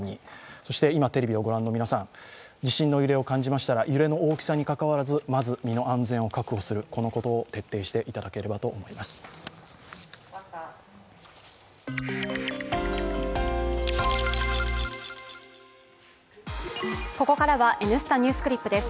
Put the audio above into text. そして今、テレビをご覧の皆さん、地震の揺れを感じましたら揺れの大きさにかかわらずまず身の安全を確保することを徹底していただければと思います。